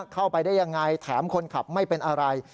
เข้าไปได้ยังไงแถมคนขับไม่เป็นอะไร